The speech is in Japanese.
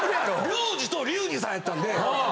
リョウジとリュウジさんやったんで。